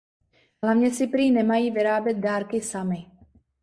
Hlavně si prý nemají vyrábět dárky sami.